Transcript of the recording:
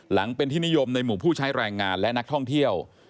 หลังเป็นที่นิยมในหมู่ผู้ใช้แรงงานและนักท่องเที่ยว